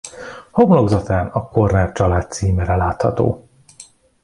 Homlokzatán a Corner család címere látható.